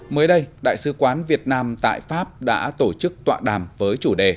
mới đây đại sứ quán việt nam tại pháp đã tổ chức tọa đàm với chủ đề